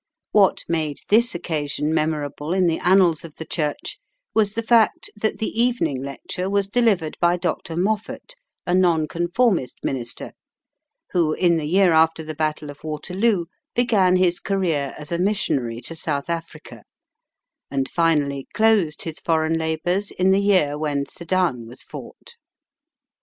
What made this occasion memorable in the annals of the Church was the fact that the evening lecture was delivered by Dr. Moffat, a Nonconformist minister who, in the year after the Battle of Waterloo, began his career as a missionary to South Africa, and finally closed his foreign labours in the year when Sedan was fought.